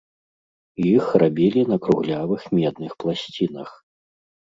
Іх рабілі на круглявых медных пласцінах.